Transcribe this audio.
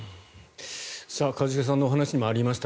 一茂さんのお話にもありました